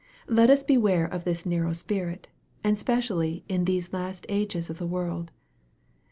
Let us beware of this narrow spirit, and specially in these last ages of the world.